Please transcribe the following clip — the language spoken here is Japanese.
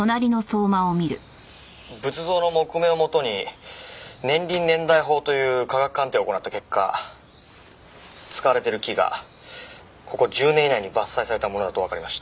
仏像の木目をもとに年輪年代法という科学鑑定を行った結果使われてる木がここ十年以内に伐採されたものだとわかりました。